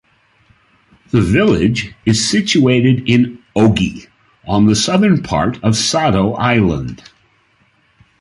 The Village is situated in Ogi on the southern part of Sado Island.